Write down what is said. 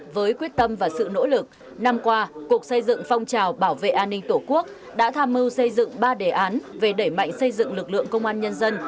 với quyết tâm và sự nỗ lực năm qua cục xây dựng phong trào bảo vệ an ninh tổ quốc đã tham mưu xây dựng ba đề án về đẩy mạnh xây dựng lực lượng công an nhân dân